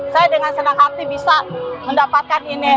saya dengan senang hati bisa mendapatkan ini